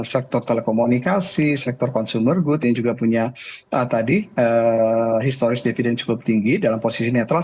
sektor telekomunikasi sektor consumer good yang juga punya tadi historis dividen cukup tinggi dalam posisi netral